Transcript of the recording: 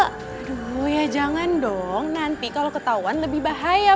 aduh ya jangan dong nanti kalo ketauan lebih bahaya